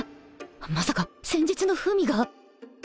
まさか先日の文が⁉